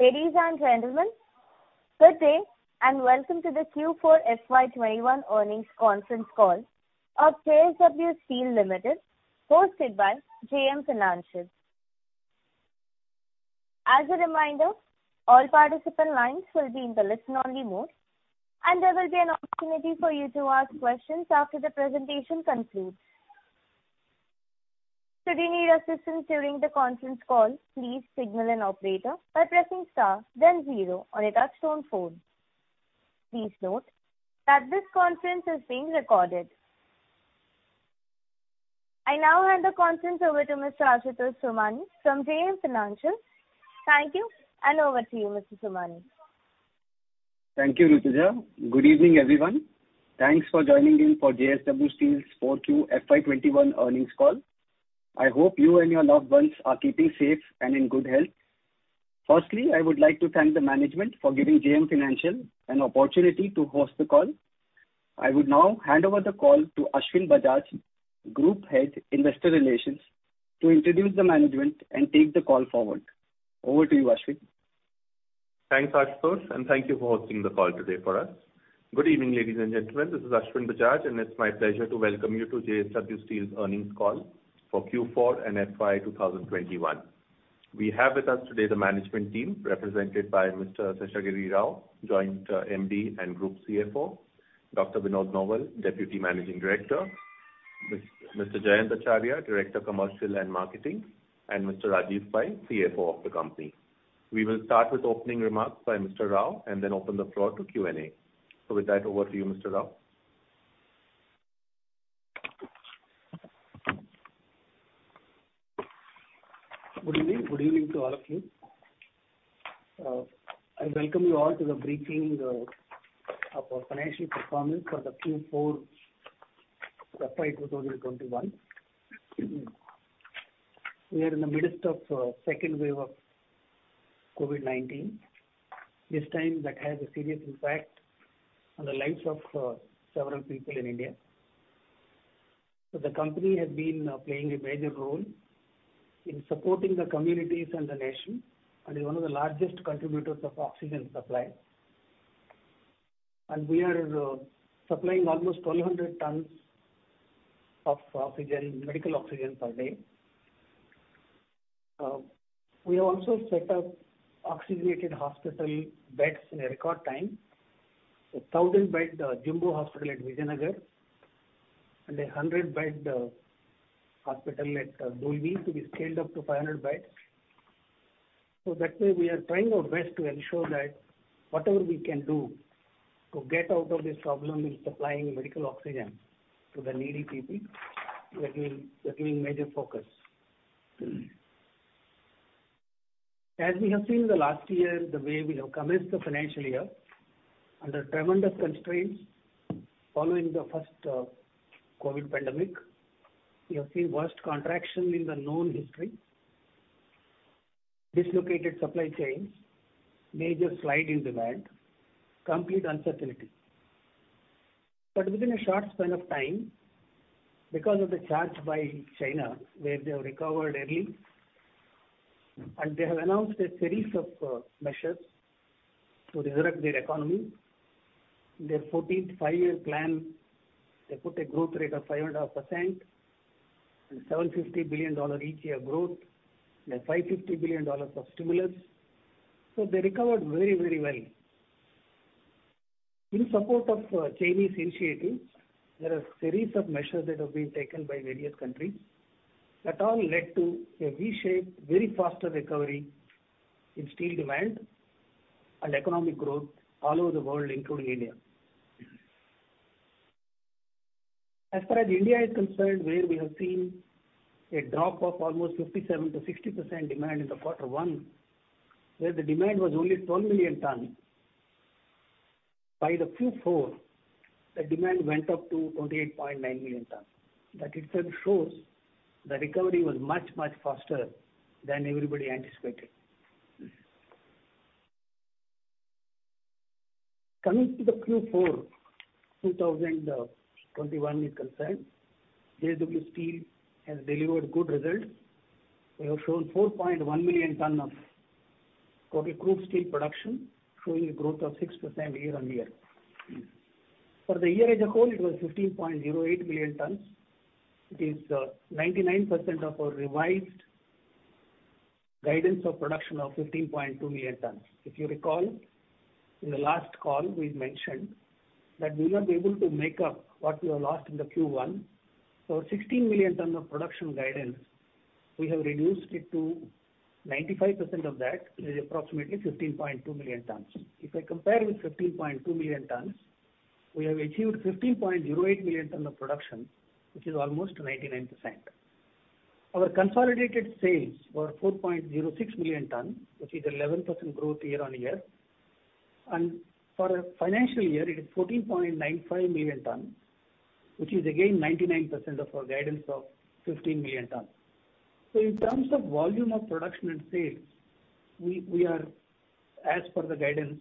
Ladies and gentlemen, good day and welcome to the Q4 FY 2021 earnings conference call of JSW Steel Limited, hosted by JM Financial. As a reminder, all participant lines will be in the listen-only mode, and there will be an opportunity for you to ask questions after the presentation concludes. Should you need assistance during the conference call, please signal an operator by pressing star then zero on your touchtone phone. Please note that this conference is being recorded. I now hand the conference over to Mr. Ashutosh Somani from JM Financial. Thank you, and over to you, Mr. Somani. Thank you, Rutuja. Good evening, everyone. Thanks for joining in for JSW Steel's Q4 FY 2021 earnings call. I hope you and your loved ones are keeping safe and in good health. Firstly, I would like to thank the management for giving JM Financial an opportunity to host the call. I would now hand over the call to Ashwin Bajaj, Group Head, Investor Relations, to introduce the management and take the call forward. Over to you, Ashwin. Thanks, Ashutosh, and thank you for hosting the call today for us. Good evening, ladies and gentlemen. This is Ashwin Bajaj, and it's my pleasure to welcome you to JSW Steel's earnings call for Q4 and FY 2021. We have with us today the management team, represented by Mr. Seshagiri Rao, Joint MD and Group CFO, Dr. Vinod Nowal, Deputy Managing Director, Mr. Jayant Acharya, Director, Commercial and Marketing, and Mr. Rajeev Pai, CFO of the company. We will start with opening remarks by Mr. Rao and then open the floor to Q&A. With that, over to you, Mr. Rao. Good evening. Good evening to all of you. I welcome you all to the briefing of our financial performance for the Q4 FY 2021. We are in the midst of the second wave of COVID-19. This time that has a serious impact on the lives of several people in India. The company has been playing a major role in supporting the communities and the nation, and is one of the largest contributors of oxygen supply. We are supplying almost 1,200 tons of oxygen, medical oxygen, per day. We have also set up oxygenated hospital beds in a record time, with 1,000-bed Jumbo hospital at Vijayanagar and a 100-bed hospital at Dolvi to be scaled up to 500 beds. In that way, we are trying our best to ensure that whatever we can do to get out of this problem in supplying medical oxygen to the needy people, we are giving major focus. As we have seen in the last year, the way we have commenced the financial year under tremendous constraints following the first COVID-19 pandemic, we have seen the worst contraction in the known history, dislocated supply chains, major slide in demand, complete uncertainty. Within a short span of time, because of the charge by China, where they have recovered early, and they have announced a series of measures to resurrect their economy, their 14th five-year plan, they put a growth rate of 5.5% and $750 billion each year growth and $550 billion of stimulus. So they recovered very, very well. In support of Chinese initiatives, there are a series of measures that have been taken by various countries that all led to a V-shaped, very faster recovery in steel demand and economic growth all over the world, including India. As far as India is concerned, where we have seen a drop of almost 57%-60% demand in the quarter one, where the demand was only 12 million tons. By the Q4, the demand went up to 28.9 million tons. That itself shows the recovery was much, much faster than everybody anticipated. Coming to the Q4 2021 is concerned, JSW Steel has delivered good results. We have shown 4.1 million tons of total crude steel production, showing a growth of 6% year-on-year. For the year as a whole, it was 15.08 million tons. It is 99% of our revised guidance of production of 15.2 million tons. If you recall, in the last call, we mentioned that we will not be able to make up what we have lost in Q1. 16 million tons of production guidance, we have reduced it to 95% of that, which is approximately 15.2 million tons. If I compare with 15.2 million tons, we have achieved 15.08 million tons of production, which is almost 99%. Our consolidated sales were 4.06 million tons, which is 11% growth year-on-year. For a financial year, it is 14.95 million tons, which is again 99% of our guidance of 15 million tons. In terms of volume of production and sales, we are, as per the guidance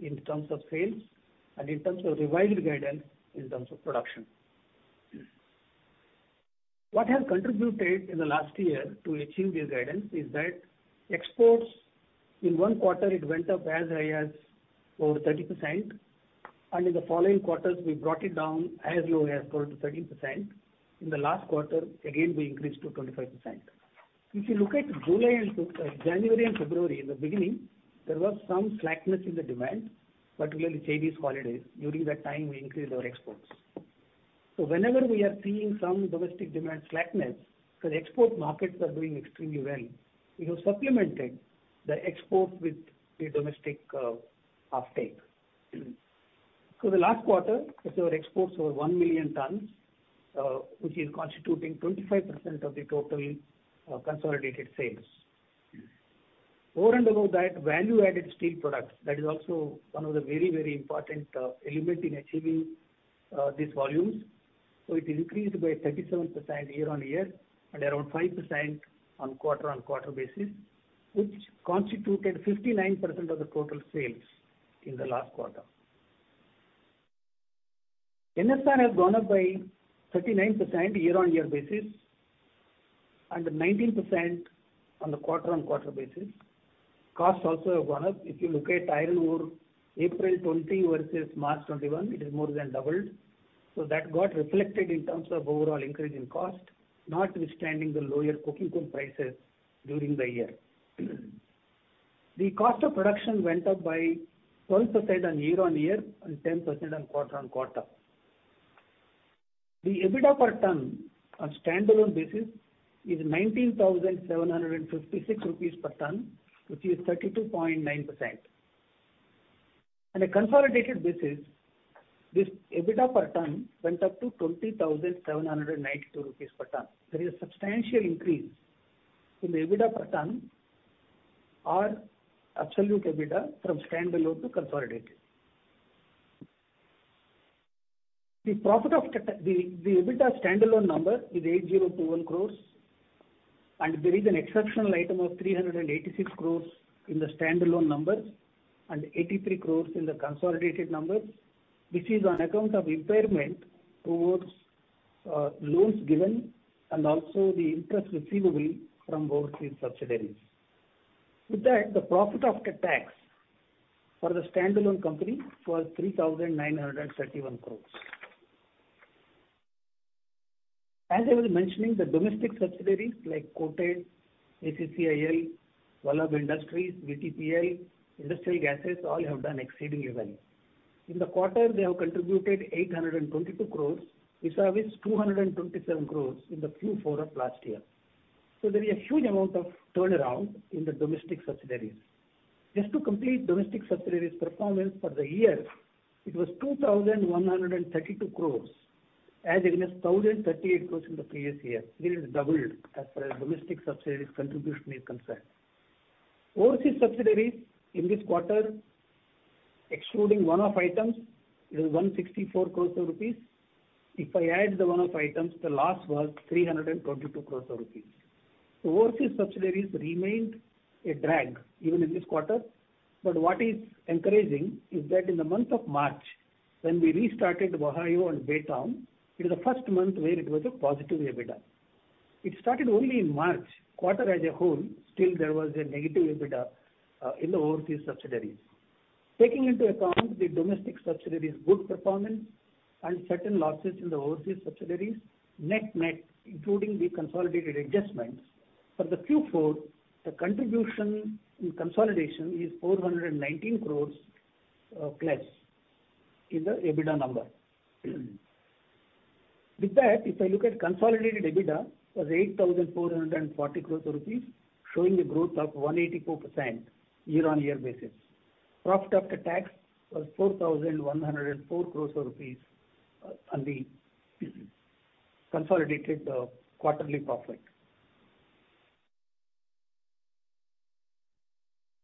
in terms of sales and in terms of revised guidance, in terms of production. What has contributed in the last year to achieve this guidance is that exports in one quarter, it went up as high as over 30%. In the following quarters, we brought it down as low as 12%-13%. In the last quarter, again, we increased to 25%. If you look at January and February in the beginning, there was some slackness in the demand, particularly Chinese holidays. During that time, we increased our exports. Whenever we are seeing some domestic demand slackness, the export markets are doing extremely well. We have supplemented the exports with the domestic uptake. The last quarter, our exports were 1 million tons, which is constituting 25% of the total consolidated sales. Over and above that, value-added steel products, that is also one of the very, very important elements in achieving these volumes. It increased by 37% year-on-year and around 5% on a quarter-on-quarter basis, which constituted 59% of the total sales in the last quarter. NSR has gone up by 39% year-on-year basis and 19% on the quarter-on-quarter basis. Costs also have gone up. If you look at iron ore, April 2020 versus March 2021, it has more than doubled. That got reflected in terms of overall increase in cost, notwithstanding the lower coking coal prices during the year. The cost of production went up by 12% year-on-year and 10% on a quarter-on-quarter. The EBITDA per ton on a standalone basis is 19,756 rupees per ton, which is 32.9%. On a consolidated basis, this EBITDA per ton went up to 20,792 rupees per ton. There is a substantial increase in the EBITDA per ton or absolute EBITDA from standalone to consolidated. The EBITDA standalone number is 8,021 crore, and there is an exceptional item of 386 crore in the standalone numbers and 83 crore in the consolidated numbers, which is on account of impairment towards loans given and also the interest receivable from overseas subsidiaries. With that, the profit after tax for the standalone company was 3,931 crore. As I was mentioning, the domestic subsidiaries like Coated, ACCIL, Vallabh Industries, VTPL, Industrial Gases, all have done exceedingly well. In the quarter, they have contributed 822 crore vis-à-vis 227 crore in the Q4 of last year. There is a huge amount of turnaround in the domestic subsidiaries. Just to complete domestic subsidiaries' performance for the year, it was 2,132 crore, as it was 1,038 crore in the previous year. It has doubled as far as domestic subsidiaries' contribution is concerned. Overseas subsidiaries in this quarter, excluding one-off items, it was 164 crore rupees. If I add the one-off items, the loss was 322 crore rupees. Overseas subsidiaries remained a drag even in this quarter. What is encouraging is that in the month of March, when we restarted Ohio and Baytown, it is the first month where it was a positive EBITDA. It started only in March quarter as a whole, still there was a negative EBITDA in the overseas subsidiaries. Taking into account the domestic subsidiaries' good performance and certain losses in the overseas subsidiaries, net-net, including the consolidated adjustments, for the Q4, the contribution in consolidation is 419 crore plus in the EBITDA number. With that, if I look at consolidated EBITDA, it was 8,440 crore rupees, showing a growth of 184% year-on-year basis. Profit after tax was 4,104 crore rupees on the consolidated quarterly profit.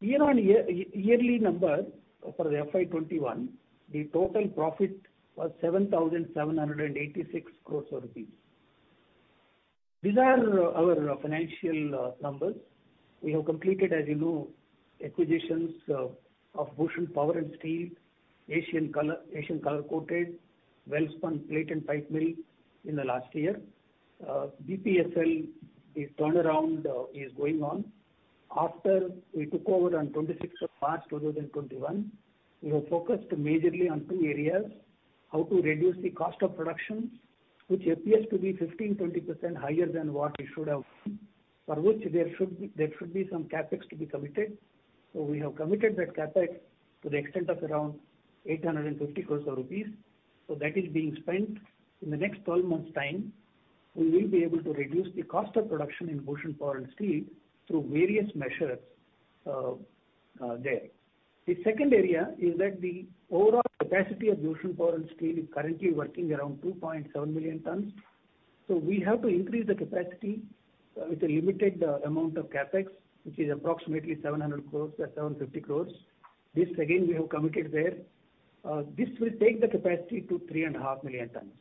Year-on-year yearly number for FY 2021, the total profit was 7,786 crore rupees. These are our financial numbers. We have completed, as you know, acquisitions of Bhushan Power & Steel, Asian Colour Coated, Welspun plates and pipes mill in the last year. BPSL, the turnaround is going on. After we took over on 26th of March 2021, we have focused majorly on two areas: how to reduce the cost of production, which appears to be 15%, 20% higher than what it should have, for which there should be some CapEx to be committed. We have committed that CapEx to the extent of around 850 crore rupees. That is being spent. In the next 12 months' time, we will be able to reduce the cost of production in Bhushan Power & Steel through various measures there. The second area is that the overall capacity of Bhushan Power & Steel is currently working around 2.7 million tons. We have to increase the capacity with a limited amount of CapEx, which is approximately 700 crore to 750 crore. This, again, we have committed there. This will take the capacity to 3.5 million tons.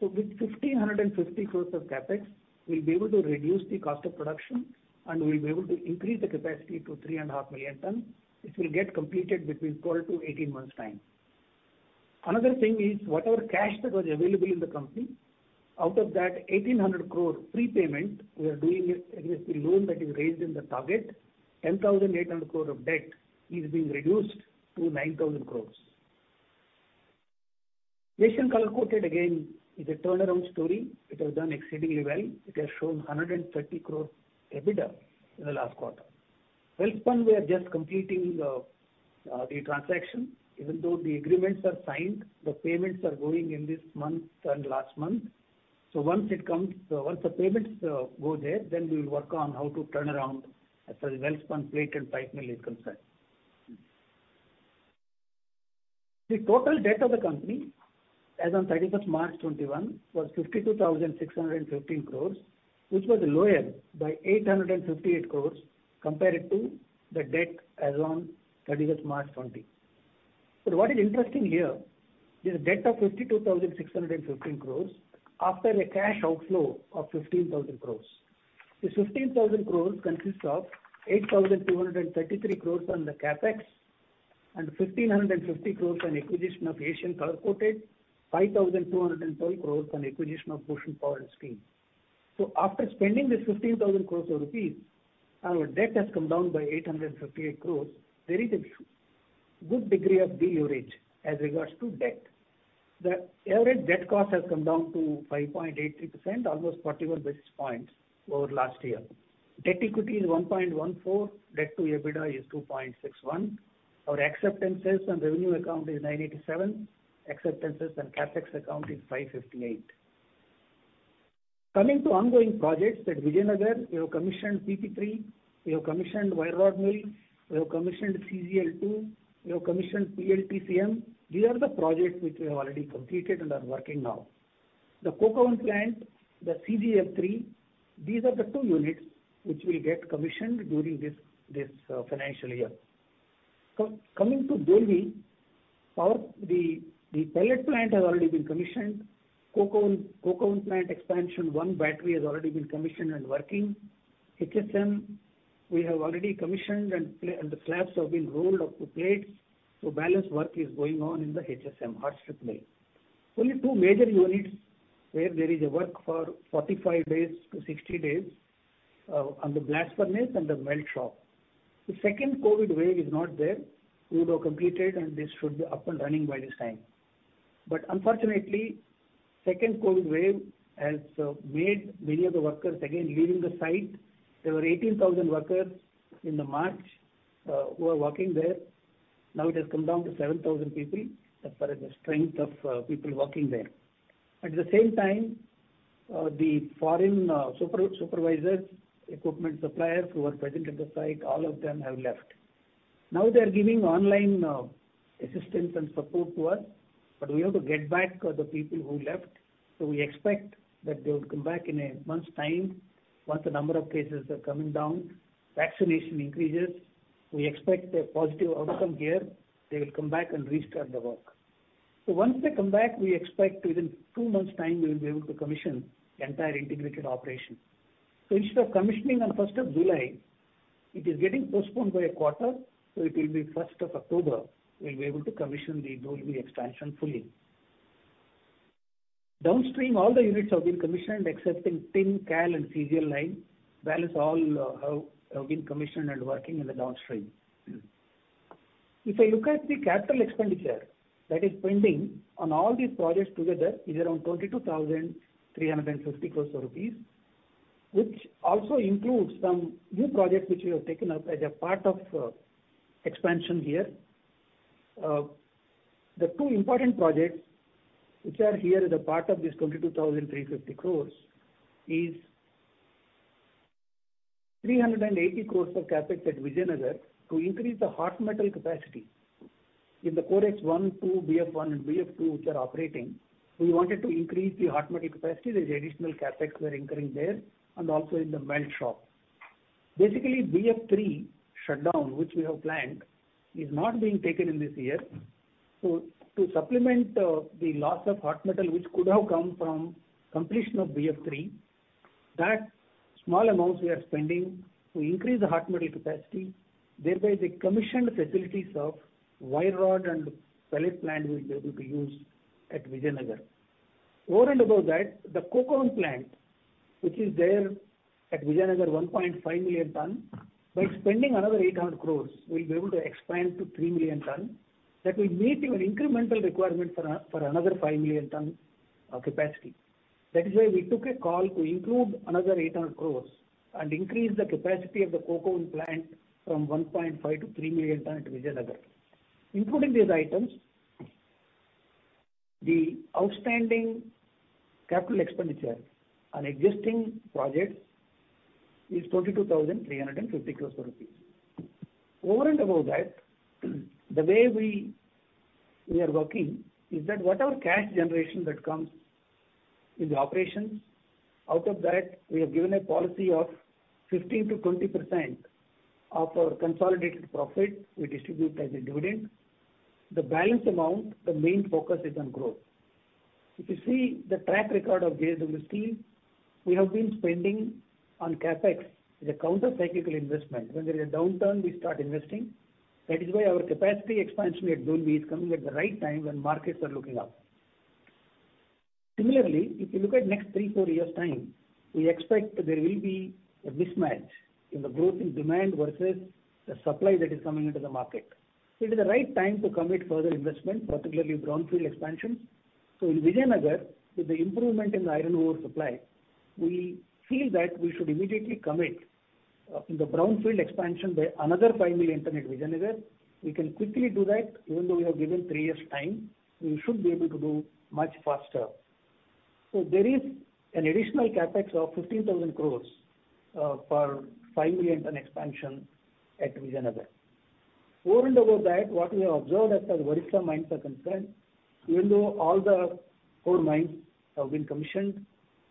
With 1,550 crore of CapEx, we'll be able to reduce the cost of production, and we'll be able to increase the capacity to 3.5 million tons. It will get completed between 12 to 18 months' time. Another thing is whatever cash that was available in the company, out of that 1,800 crore prepayment, we are doing it against the loan that is raised in the target. 10,800 crore of debt is being reduced to 9,000 crore. Asian Colour Coated, again, is a turnaround story. It has done exceedingly well. It has shown 130 crore EBITDA in the last quarter. Welspun, we are just completing the transaction. Even though the agreements are signed, the payments are going in this month and last month. Once the payments go there, then we will work on how to turn around as far as Welspun plates and pipes mill is concerned. The total debt of the company as of 31st March 2021 was 52,615 crore, which was lower by 858 crore compared to the debt as on 31st March 2020. What is interesting here is the debt of 52,615 crore after a cash outflow of 15,000 crore. The 15,000 crore consists of 8,233 crore on the CapEx and 1,550 crore on acquisition of Asian Colour Coated, 5,212 crore on acquisition of Bhushan Power & Steel. After spending this 15,000 crore rupees, our debt has come down by 858 crore. There is a good degree of deleverage as regards to debt. The average debt cost has come down to 5.83%, almost 41 basis points over last year. Debt-to-equity is 1.14. Debt-to-EBITDA is 2.61. Our acceptances on revenue account is 987. Acceptances on CapEx account is 558. Coming to ongoing projects at Vijayanagar, we have commissioned PP-3, we have commissioned wire rod mill, we have commissioned CGL-2, we have commissioned PLTCM. These are the projects which we have already completed and are working now. The coke oven plant, the CGL-3, these are the two units which will get commissioned during this financial year. Coming to Dolvi, the pellet plant has already been commissioned. Coke oven plant expansion one battery has already been commissioned and working. HSM, we have already commissioned, and the slabs have been rolled up to plates. So balance work is going on in the HSM, Hot Strip Mill. Only two major units where there is work for 45 days to 60 days on the blast furnace and the melt shop. If the second COVID wave is not there, we would have completed, and this should be up and running by this time. Unfortunately, the second COVID wave has made many of the workers again leaving the site. There were 18,000 workers in March who were working there. Now it has come down to 7,000 people as far as the strength of people working there. At the same time, the foreign supervisors, equipment suppliers who were present at the site, all of them have left. Now they are giving online assistance and support to us, but we have to get back the people who left. We expect that they will come back in a month's time once the number of cases are coming down, vaccination increases. We expect a positive outcome here. They will come back and restart the work. Once they come back, we expect within two months' time, we will be able to commission the entire integrated operation. Instead of commissioning on 1st of July, it is getting postponed by a quarter. It will be 1st of October. We'll be able to commission the Dolvi expansion fully. Downstream, all the units have been commissioned, except in Tin, CAL, and CGL line. Balance all have been commissioned and working in the downstream. If I look at the capital expenditure that is pending on all these projects together, it is around 22,350 crore rupees, which also includes some new projects which we have taken up as a part of expansion here. The two important projects which are here as a part of this 22,350 crore is 380 crore of CapEx at Vijayanagar to increase the hot metal capacity. In the COREX-1, COREX-2, BF-1, and BF-2, which are operating, we wanted to increase the hot metal capacity. There is additional CapEx we are incurring there and also in the melt shop. Basically, BF-3 shutdown, which we have planned, is not being taken in this year. To supplement the loss of hot metal, which could have come from completion of BF-3, that small amount we are spending to increase the hot metal capacity, thereby the commissioned facilities of wire rod and pellet plant we will be able to use at Vijayanagar. Over and above that, the coke oven plant, which is there at Vijayanagar, 1.5 million ton, by spending another 800 crore, we will be able to expand to 3 million ton. That will meet even incremental requirement for another 5 million ton of capacity. That is why we took a call to include another 800 crore and increase the capacity of the coke oven plant from 1.5 to 3 million ton at Vijayanagar. Including these items, the outstanding capital expenditure on existing projects is 22,350 crore rupee. Over and above that, the way we are working is that whatever cash generation that comes in the operations, out of that, we have given a policy of 15%-20% of our consolidated profit we distribute as a dividend. The balance amount, the main focus is on growth. If you see the track record of JSW Steel, we have been spending on CapEx as a countercyclical investment. When there is a downturn, we start investing. That is why our capacity expansion at Dolvi is coming at the right time when markets are looking up. Similarly, if you look at next three, four years' time, we expect there will be a mismatch in the growth in demand versus the supply that is coming into the market. It is the right time to commit further investment, particularly Brownfield expansions. In Vijayanagar, with the improvement in the iron ore supply, we feel that we should immediately commit in the Brownfield expansion by another 5 million ton at Vijayanagar. We can quickly do that. Even though we have given three years' time, we should be able to do much faster. There is an additional CapEx of 15,000 crore for 5-million-ton expansion at Vijayanagar. Over and above that, what we have observed as far as Odisha mines are concerned, even though all the four mines have been commissioned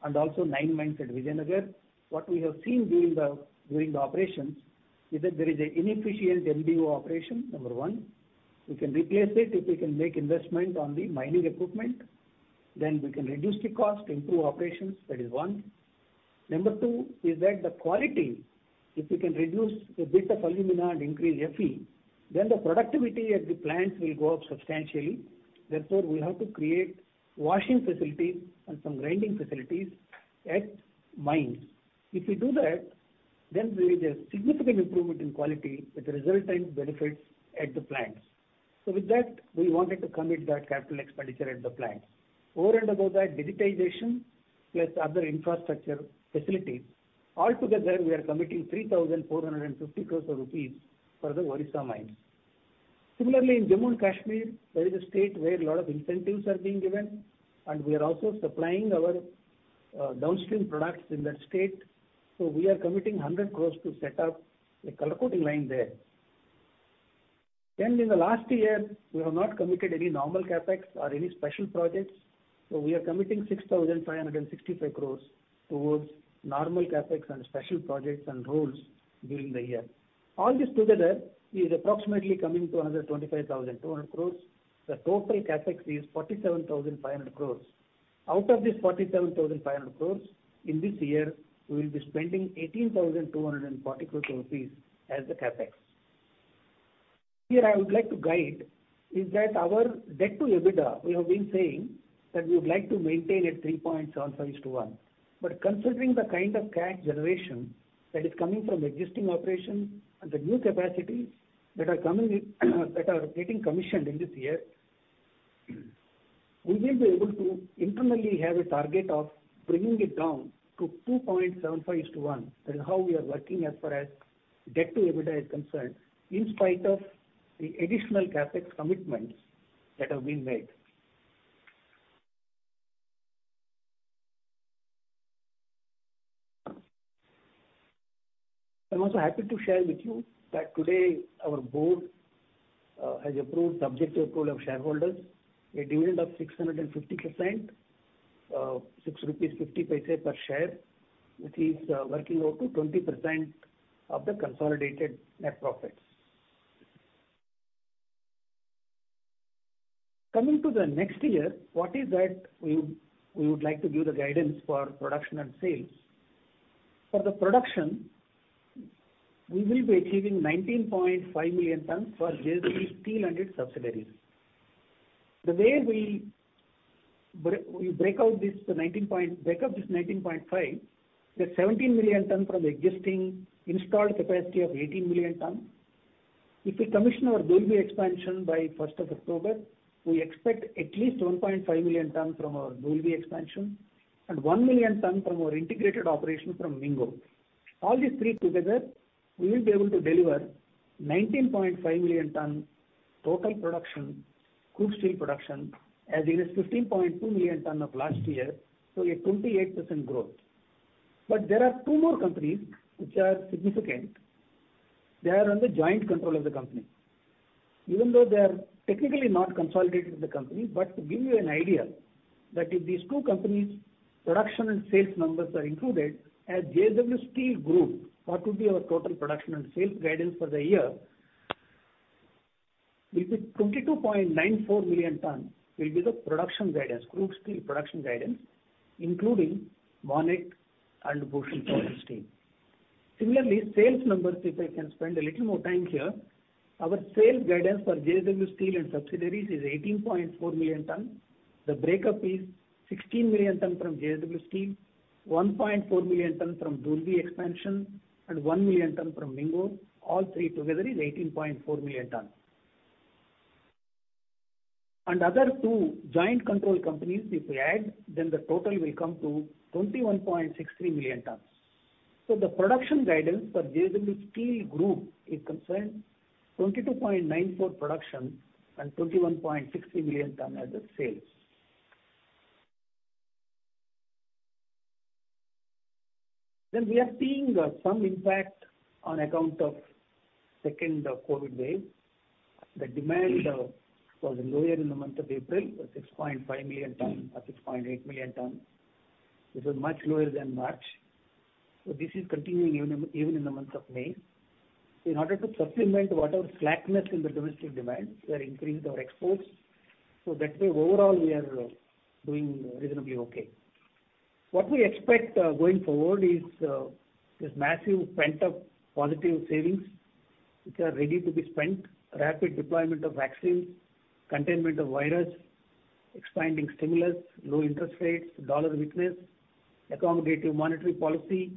and also nine mines at Vijayanagar, what we have seen during the operations is that there is an inefficient MDO operation, number one. We can replace it if we can make investment on the mining equipment. Then we can reduce the cost to improve operations. That is one. Number two is that the quality, if we can reduce the bit of alumina and increase Fe, then the productivity at the plants will go up substantially. Therefore, we have to create washing facilities and some grinding facilities at mines. If we do that, then there is a significant improvement in quality with the resultant benefits at the plants. With that, we wanted to commit that capital expenditure at the plants. Over and above that, digitization plus other infrastructure facilities, altogether, we are committing 3,450 crore rupees for the Odisha mines. Similarly, in Jammu and Kashmir, there is a state where a lot of incentives are being given, and we are also supplying our downstream products in that state. We are committing 100 crore to set up a color coating line there. In the last year, we have not committed any normal CapEx or any special projects. We are committing 6,565 crore towards normal CapEx and special projects and roles during the year. All this together is approximately coming to another 25,200 crore. The total CapEx is 47,500 crore. Out of this 47,500 crore, in this year, we will be spending 18,240 crore rupees as the CapEx. Here I would like to guide is that our debt-to-EBITDA, we have been saying that we would like to maintain at 3.75:1. However, considering the kind of cash generation that is coming from existing operations and the new capacities that are getting commissioned in this year, we will be able to internally have a target of bringing it down to 2.75:1. That is how we are working as far as debt-to-EBITDA is concerned, in spite of the additional CapEx commitments that have been made. I'm also happy to share with you that today our board has approved the objective role of shareholders, a dividend of 650%, 6.50 rupees per share, which is working out to 20% of the consolidated net profits. Coming to the next year, what is that we would like to give the guidance for production and sales. For the production, we will be achieving 19.5 million tons for JSW Steel and its subsidiaries. The way we break out this 19.5, the 17 million ton from the existing installed capacity of 18 million ton. If we commission our Dolvi expansion by 1st of October, we expect at least 1.5 million ton from our Dolvi expansion and 1 million ton from our integrated operation from Mingo. All these three together, we will be able to deliver 19.5-million-ton total production, crude steel production, against 15.2 million ton of last year, so a 28% growth. There are two more companies which are significant. They are under joint control of the company. Even though they are technically not consolidated with the company, but to give you an idea that if these two companies' production and sales numbers are included as JSW Steel Group, what would be our total production and sales guidance for the year? It will be 22.94 million ton will be the production guidance, crude steel production guidance, including Monnet and Bhushan Power & Steel. Similarly, sales numbers, if I can spend a little more time here, our sales guidance for JSW Steel and subsidiaries is 18.4 million ton. The breakup is 16 million ton from JSW Steel, 1.4 million ton from Dolvi expansion, and 1 million ton from Mingo. All three together is 18.4 million ton. Other two joint control companies, if we add, then the total will come to 21.63 million ton. The production guidance for JSW Steel Group is concerned, 22.94 million ton for production and 21.63 million ton as sales. We are seeing some impact on account of the second COVID wave. The demand was lower in the month of April with 6.5 million ton or 6.8 million ton. This was much lower than March. This is continuing even in the month of May. In order to supplement whatever slackness in the domestic demand, we have increased our exports. That way, overall, we are doing reasonably okay. What we expect going forward is this massive pent-up positive savings which are ready to be spent, rapid deployment of vaccines, containment of the virus, expanding stimulus, low interest rates, dollar weakness, accommodative monetary policy,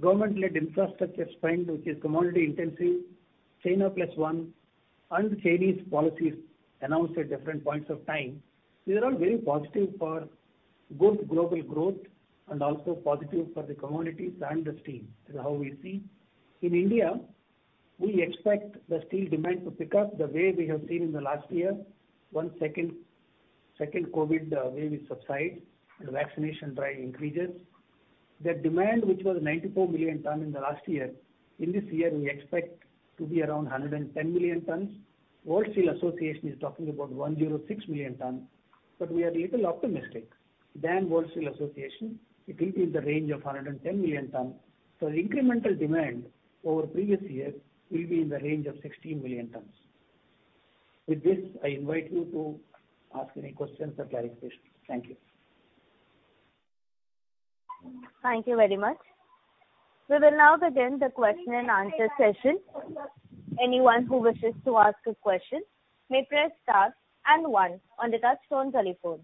government-led infrastructure spend, which is commodity-intensive, China Plus One, and Chinese policies announced at different points of time. These are all very positive for both global growth and also positive for the commodities and the steel. This is how we see. In India, we expect the steel demand to pick up the way we have seen in the last year. Once second COVID wave is subsided and vaccination drive increases, the demand, which was 94 million ton in the last year, in this year, we expect to be around 110 million tons. World Steel Association is talking about 106 million ton. We are a little optimistic. Then World Steel Association, it will be in the range of 110 million ton. The incremental demand over previous year will be in the range of 16 million tons. With this, I invite you to ask any questions or clarifications. Thank you. Thank you very much. We will now begin the question-and-answer session. Anyone who wishes to ask a question may press star and one on the touchtone telephone.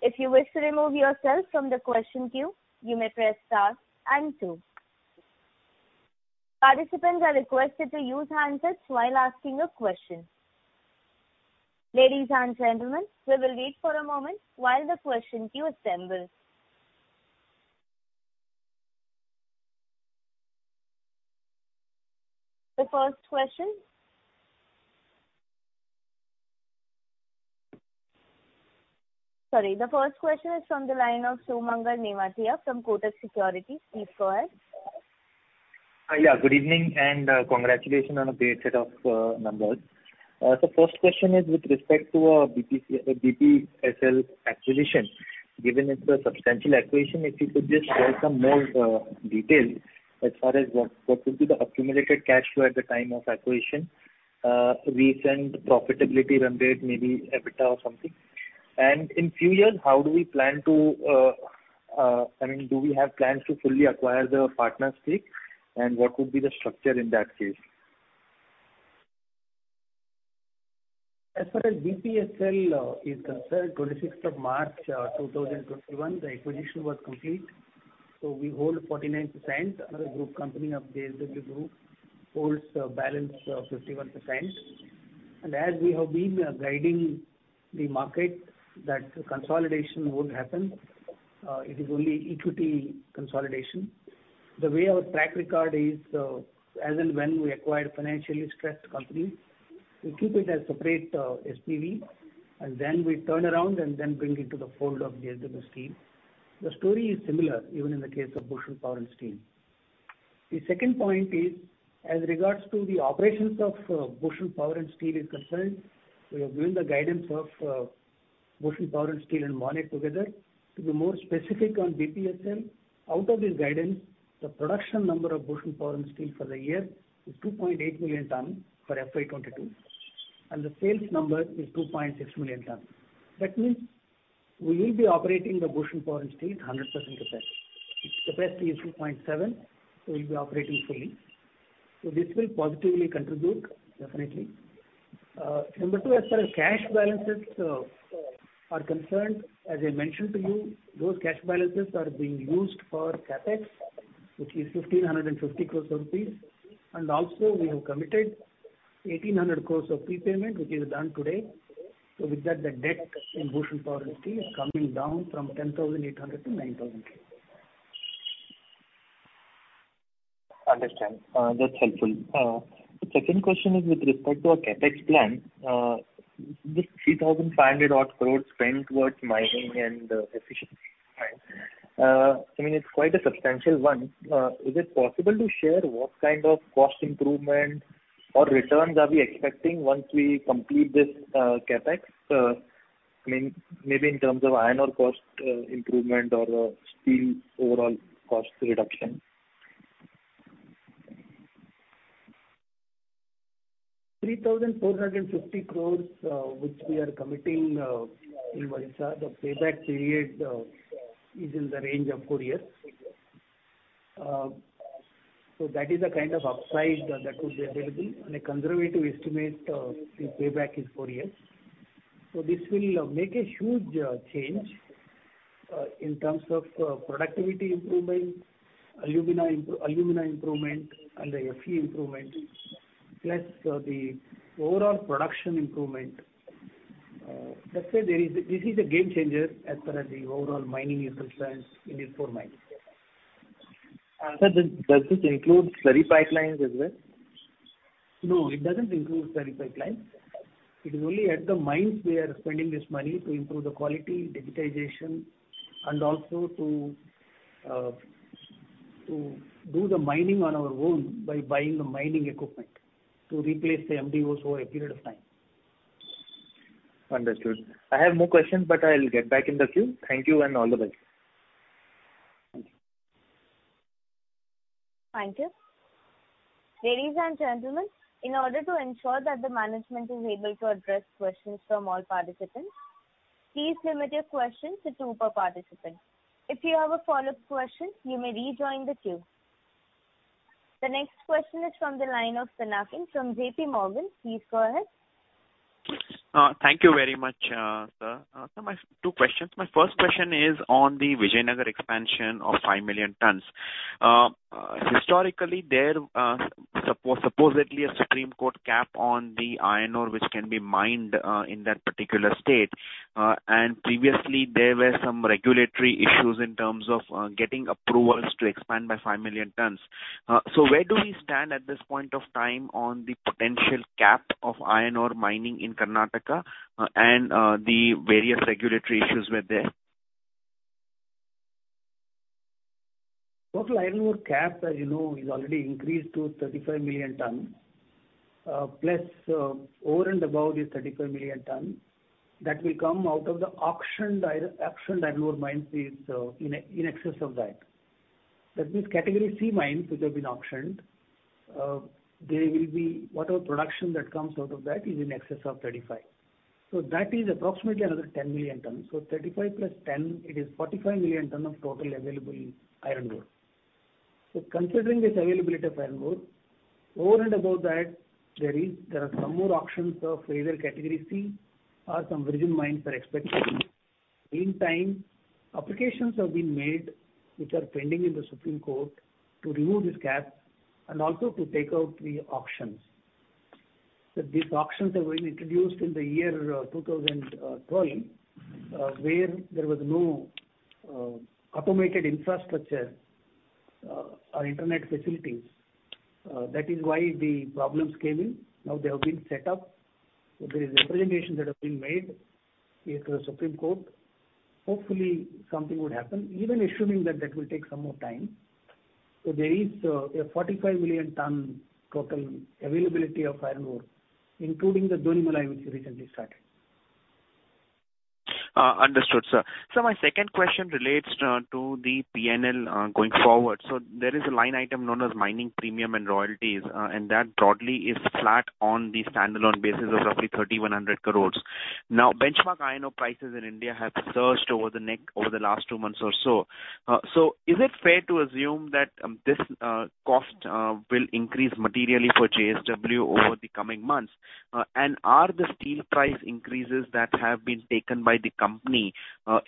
If you wish to remove yourself from the question queue, you may press star and two. Participants are requested to use handsets while asking a question. Ladies and gentlemen, we will wait for a moment while the question queue assembles. The first question, sorry, the first question is from the line of Sumangal Nevatia from Kotak Securities. Please go ahead. Yeah, good evening and congratulations on a great set of numbers. First question is with respect to BPSL acquisition. Given the substantial acquisition, if you could just share some more details as far as what would be the accumulated cash flow at the time of acquisition, recent profitability rendered, maybe EBITDA or something. In a few years, how do we plan to, I mean, do we have plans to fully acquire the partner stake? What would be the structure in that case? As far as BPSL is concerned, 26th of March 2021, the acquisition was complete. We hold 49%. Another group company of JSW Group holds a balance of 51%. As we have been guiding the market, consolidation will not happen, it is only equity consolidation. The way our track record is, as and when we acquired financially stressed companies, we keep it as a separate SPV, and then we turn around and then bring it to the fold of JSW Steel. The story is similar even in the case of Bhushan Power & Steel. The second point is, as regards to the operations of Bhushan Power & Steel is concerned, we have given the guidance of Bhushan Power & Steel and Monnet together. To be more specific on BPSL, out of this guidance, the production number of Bhushan Power & Steel for the year is 2.8 million ton for FY 2022, and the sales number is 2.6 million ton. That means we will be operating the Bhushan Power & Steel at 100% capacity. Its capacity is 2.7, so we'll be operating fully. This will positively contribute, definitely. Number two, as far as cash balances are concerned, as I mentioned to you, those cash balances are being used for CapEx, which is 1,550 crore rupees. Also, we have committed 1,800 crore of prepayment, which is done today. With that, the debt in Bhushan Power & Steel is coming down from 10,800 crore to 9,000 crore. Understood. That's helpful. The second question is with respect to our CapEx plan. This 3,500-odd crore spent towards mining and efficiency. I mean, it's quite a substantial one. Is it possible to share what kind of cost improvement or returns are we expecting once we complete this CapEx? I mean, maybe in terms of iron ore cost improvement or steel overall cost reduction. 3,450 crore, which we are committing in Odisha, the payback period is in the range of four years. That is the kind of upside that would be available. On a conservative estimate, the payback is four years. This will make a huge change in terms of productivity improvement, alumina improvement, and the Fe improvement, plus the overall production improvement. Let's say this is a game changer as far as the overall mining is concerned in these four mines. Does this include slurry pipelines as well? No, it doesn't include slurry pipelines. It is only at the mines we are spending this money to improve the quality, digitization, and also to do the mining on our own by buying the mining equipment to replace the MDOs for a period of time. Understood. I have more questions, but I'll get back in the queue. Thank you and all the best. Thank you. Thank you. Ladies and gentlemen, in order to ensure that the management is able to address questions from all participants, please limit your questions to two per participant. If you have a follow-up question, you may rejoin the queue. The next question is from the line of Pinakin from JPMorgan. Please go ahead. Thank you very much, sir. Two questions. My first question is on the Vijayanagar expansion of 5 million tons. Historically, there was supposedly a Supreme Court cap on the iron ore which can be mined in that particular state. Previously, there were some regulatory issues in terms of getting approvals to expand by 5 million tons. Where do we stand at this point of time on the potential cap of iron ore mining in Karnataka and the various regulatory issues were there? Total iron ore cap, as you know, is already increased to 35 million tons. Plus, over and above these 35 million tons, that will come out of the auctioned iron ore mines is in excess of that. That means Category-C mines, which have been auctioned, whatever production that comes out of that is in excess of 35. That is approximately another 10 million tons. So 35 plus 10, it is 45 million tons of total available iron ore. Considering this availability of iron ore, over and above that, there are some more auctions of either Category-C or some regional mines are expected. In the meantime, applications have been made which are pending in the Supreme Court to remove this cap and also to take out the auctions. These auctions have been introduced in the year 2012, where there was no automated infrastructure or internet facilities. That is why the problems came in. Now they have been set up. There is a presentation that has been made to the Supreme Court. Hopefully, something would happen, even assuming that will take some more time. There is a 45-million-ton total availability of iron ore, including the Donimalai mine, which recently started. Understood, sir. My second question relates to the P&L going forward. There is a line item known as mining premium and royalties, and that broadly is flat on the standalone basis of roughly 3,100 crore. Now, benchmark iron ore prices in India have surged over the last two months or so. Is it fair to assume that this cost will increase materially for JSW Steel over the coming months? Are the steel price increases that have been taken by the company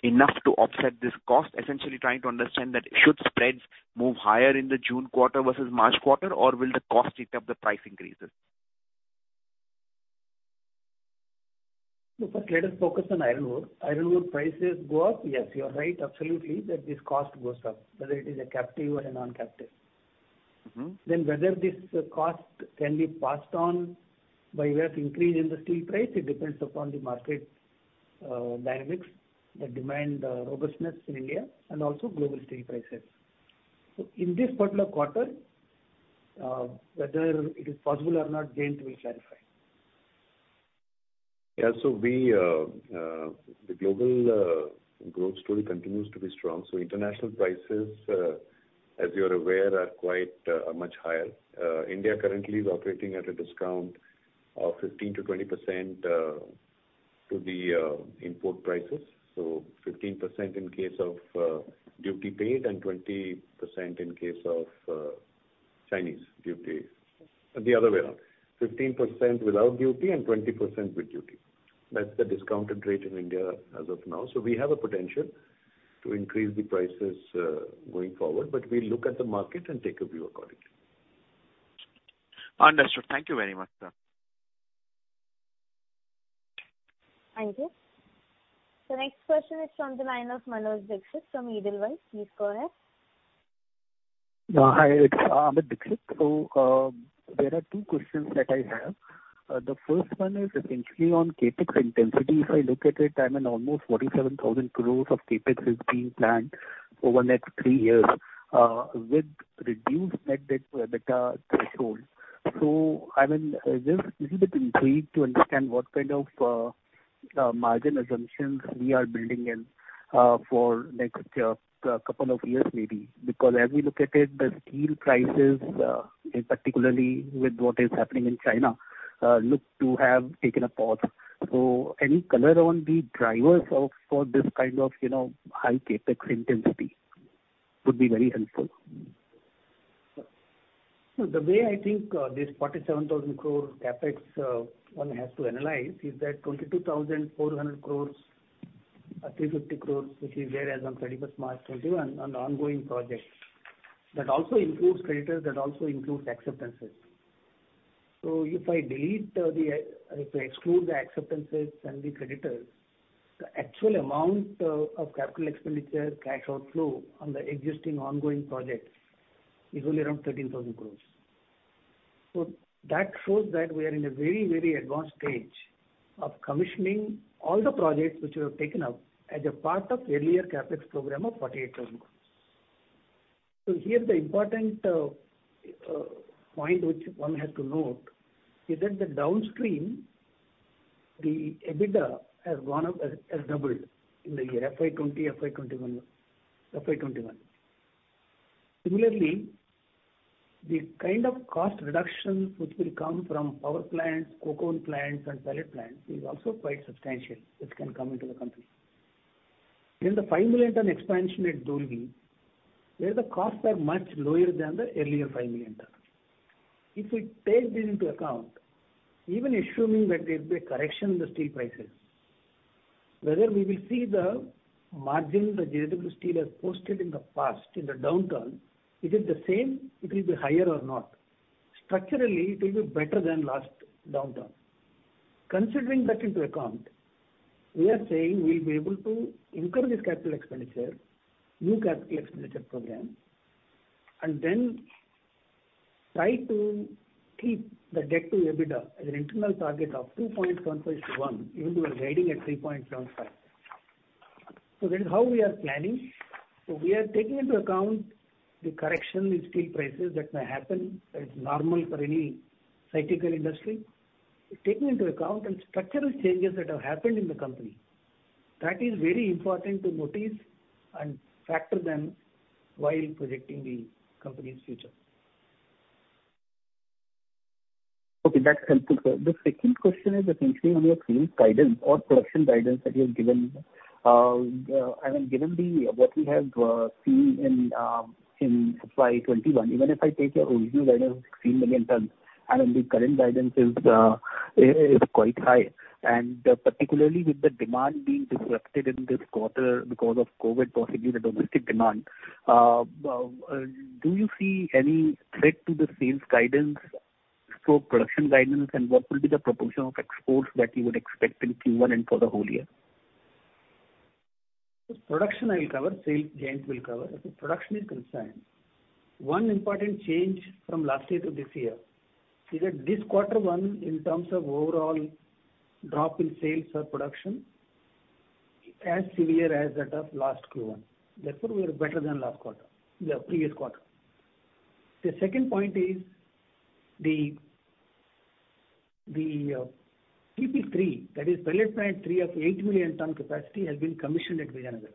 enough to offset this cost? Essentially, trying to understand that should spreads move higher in the June quarter versus March quarter, or will the cost eat up the price increases? First, let us focus on iron ore. Iron ore prices go up? Yes, you're right, absolutely, that this cost goes up, whether it is a captive or a non-captive. Whether this cost can be passed on by way of increase in the steel price depends upon the market dynamics, the demand robustness in India, and also global steel prices. In this particular quarter, whether it is possible or not, Jayant will clarify. Yeah. The global growth story continues to be strong. International prices, as you're aware, are quite much higher. India currently is operating at a discount of 15%-20% to the import prices. 15% in case of duty paid and 20% in case of Chinese duty. The other way around, 15% without duty and 20% with duty. That is the discounted rate in India as of now. We have a potential to increase the prices going forward, but we'll look at the market and take a view accordingly. Understood. Thank you very much, sir. Thank you. The next question is from the line of Amit Dixit from Edelweiss. Please go ahead. Hi, it's Amit Dixit. There are two questions that I have. The first one is essentially on CapEx intensity. If I look at it, I mean, almost 47,000 crore of CapEx is being planned over the next three years with reduced net debt-to-EBITDA threshold. I mean, just a little bit intrigued to understand what kind of margin assumptions we are building in for the next couple of years maybe. Because as we look at it, the steel prices, particularly with what is happening in China, look to have taken a pause. Any color on the drivers for this kind of high CapEx intensity would be very helpful. The way I think this 47,000 crore CapEx one has to analyze is that 22,400 crore, 350 crore, which is there as of 31st March 2021, an ongoing project that also includes creditors, that also includes acceptances. If I exclude the acceptances and the creditors, the actual amount of capital expenditure, cash outflow on the existing ongoing projects is only around 13,000 crore. That shows that we are in a very, very advanced stage of commissioning all the projects which we have taken up as a part of earlier CapEx program of 48,000 crore. Here the important point which one has to note is that the downstream, the EBITDA has doubled in the year FY 2021. Similarly, the kind of cost reduction which will come from power plants, coke oven plants, and pellet plants is also quite substantial which can come into the company. The 5-million-ton expansion at Dolvi, where the costs are much lower than the earlier 5 million ton. If we take this into account, even assuming that there is a correction in the steel prices, whether we will see the margin that JSW Steel has posted in the past in the downturn, is it the same? It will be higher or not. Structurally, it will be better than last downturn. Considering that into account, we are saying we'll be able to increase capital expenditure, new capital expenditure program, and try to keep the debt-to-EBITDA as an internal target of 2.75:1, even though we are riding at 3.75. That is how we are planning. We are taking into account the correction in steel prices that may happen. That is normal for any cyclical industry. Taking into account the structural changes that have happened in the company, that is very important to notice and factor them while projecting the company's future. Okay, that's helpful, sir. The second question is essentially on your field guidance or production guidance that you have given. I mean, given what we have seen in FY 2021, even if I take your original guidance of 3 million tons, I mean, the current guidance is quite high. Particularly with the demand being disrupted in this quarter because of COVID, possibly the domestic demand, do you see any threat to the sales guidance for production guidance, and what will be the proportion of exports that you would expect in Q1 and for the whole year? Production I will cover. Sales, Jayant will cover. Production is concerned. One important change from last year to this year is that this quarter one, in terms of overall drop in sales or production, it's as severe as that of last Q1. Therefore, we are better than last quarter, the previous quarter. The second point is the PP-3, that is Pellet Plant 3 of 8-million-ton capacity has been commissioned at Vijayanagar.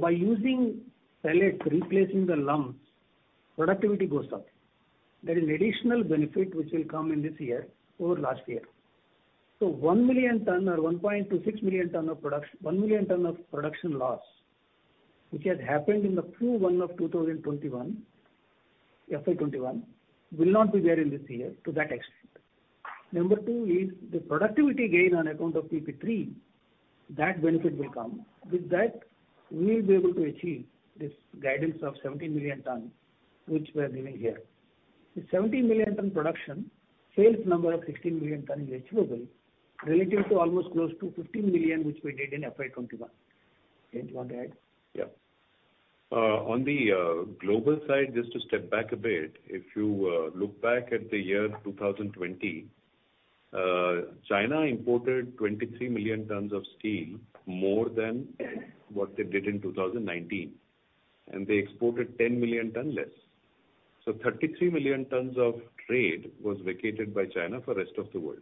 By using pellets replacing the lumps, productivity goes up. There is an additional benefit which will come in this year over last year. 1 million ton or 1.26 million ton of production, 1 million ton of production loss, which has happened in the Q1 of 2021, FY 2021, will not be there in this year to that extent. Number two is the productivity gain on account of PP-3, that benefit will come. With that, we will be able to achieve this guidance of 17 million ton, which we are giving here. The 17 million ton production, sales number of 16 million ton is achievable relative to almost close to 15 million which we did in FY 2021. Jayant, do you want to add? Yeah. On the global side, just to step back a bit, if you look back at the year 2020, China imported 23 million tons of steel more than what they did in 2019, and they exported 10 million ton less. So 33 million tons of trade was vacated by China for the rest of the world.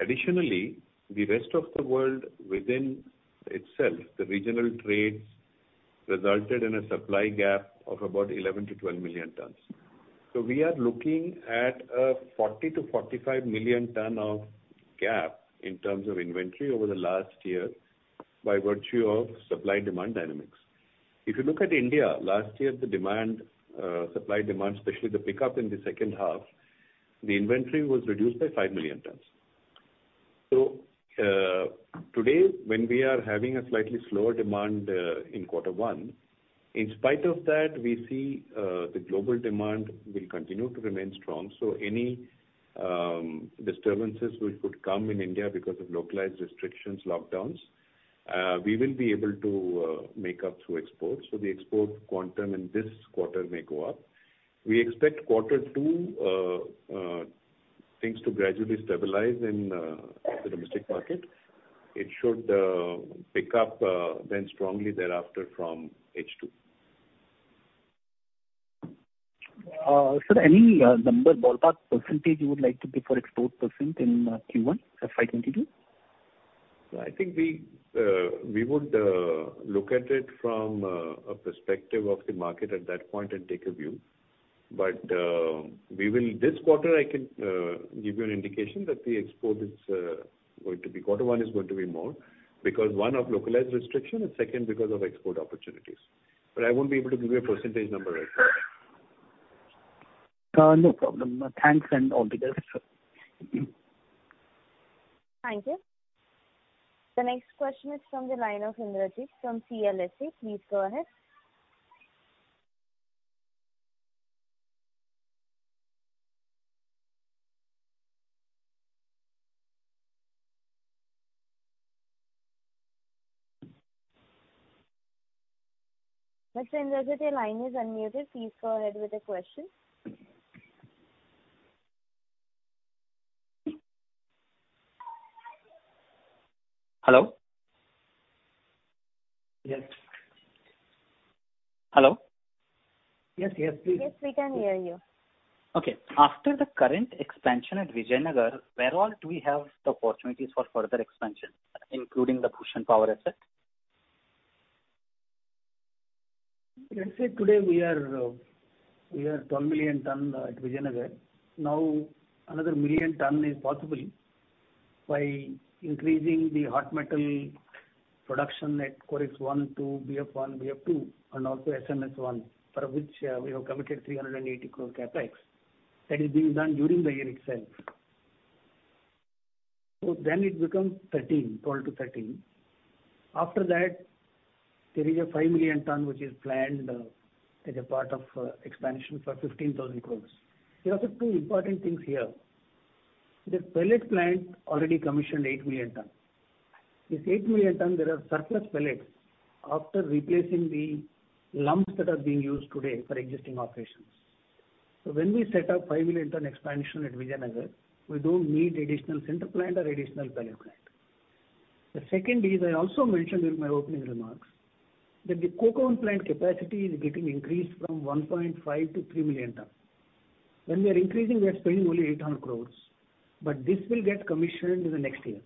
Additionally, the rest of the world within itself, the regional trades resulted in a supply gap of about 11 million tons to 12 million tons. We are looking at a 40 million to 45 million ton of gap in terms of inventory over the last year by virtue of supply-demand dynamics. If you look at India, last year, the supply-demand, especially the pickup in the second half, the inventory was reduced by 5 million tons. Today, when we are having a slightly slower demand in quarter one, in spite of that, we see the global demand will continue to remain strong. Any disturbances which would come in India because of localized restrictions, lockdowns, we will be able to make up through exports. The export quantum in this quarter may go up. We expect quarter two things to gradually stabilize in the domestic market. It should pick up then strongly thereafter from H2. Sir, any number ballpark percentage you would like to give for export in Q1, FY 2022? I think we would look at it from a perspective of the market at that point and take a view. This quarter, I can give you an indication that the export is going to be, quarter one is going to be more because one, of localized restriction and second, because of export opportunities. I won't be able to give you a percentage number right now. No problem. Thanks and all the best. Thank you. The next question is from the line of Indrajit from CLSA. Please go ahead. Mr. Indrajit, your line is unmuted. Please go ahead with the question. Hello? Yes. Hello? Yes, yes, please. Yes, we can hear you. Okay. After the current expansion at Vijayanagar, where all do we have the opportunities for further expansion, including the Bhushan Power asset? Let's say today we are 12 million ton at Vijayanagar. Now, another million ton is possible by increasing the hot metal production at COREX-1, COREX-2, BF-1, BF-2, and also SMS-1, for which we have committed 380 crore CapEx. That is being done during the year itself. It becomes 12-13. After that, there is a 5 million ton which is planned as a part of expansion for 15,000 crore. There are two important things here. The pellet plant already commissioned 8 million ton. This 8 million ton, there are surplus pellets after replacing the lumps that are being used today for existing operations. When we set up 5-million-ton expansion at Vijayanagar, we do not need additional sinter plant or additional pellet plant. The second is I also mentioned in my opening remarks that the coke oven plant capacity is getting increased from 1.5 million ton to 3 million ton. When we are increasing, we are spending only 800 crore, but this will get commissioned in the next year.